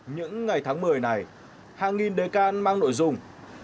những ngày tháng một mươi này hàng nghìn đề can mang nội dung